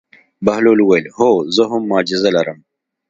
بهلول وویل: هو زه هم معجزه لرم.